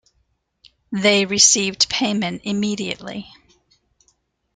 They received payment immediately.